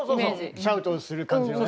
シャウトをする感じのね。